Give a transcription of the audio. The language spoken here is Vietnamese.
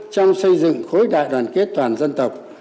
trong xây dựng khối đại đoàn kết toàn dân tộc